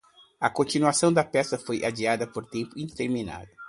A continuação da peça foi adiada por tempo indeterminado.